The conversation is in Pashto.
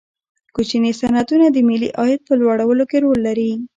کوچني صنعتونه د ملي عاید په لوړولو کې رول لري.